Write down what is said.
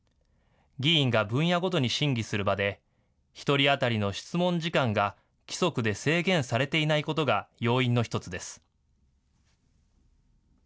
議員が分野ごとに審議する場で１人当たりの質問時間が規則で制限されていないことが要因の１つです。